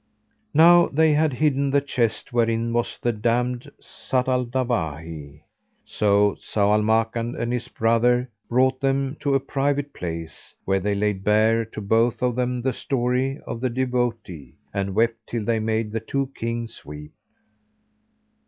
Now they had hidden the chest wherein was the damned Zat al Dawahi. So Zau al Makan and his brother brought them to a private place, where they laid bare to both of them the story of the devotee, and wept till they made the two Kings weep.